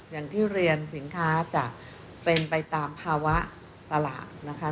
อย่างที่เรียนสินค้าจะเป็นไปตามภาวะตลาดนะคะ